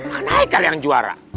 mana itu kalian juara